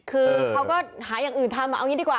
คือเขาก็หาอย่างอื่นทำเอางี้ดีกว่า